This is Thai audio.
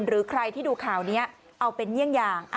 หรือใครที่ดูข่าวนี้เอาเป็นเยี่ยงอย่าง